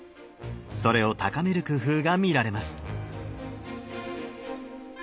それを高める工夫が見られます。